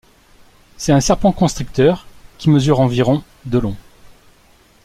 C'est un serpent constricteur qui mesure environ de long.